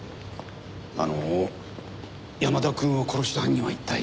あの山田くんを殺した犯人は一体。